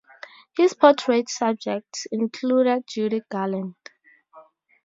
His portrait subjects included Judy Garland.